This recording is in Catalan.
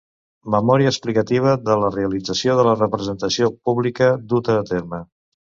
Memòria explicativa de la realització de la representació pública duta a terme.